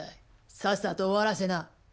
さっさと終わらせな。